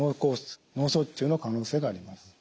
脳卒中の可能性があります。